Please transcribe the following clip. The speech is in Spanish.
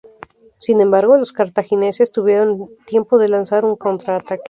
Sin embargo, los cartagineses tuvieron tiempo de lanzar un contraataque.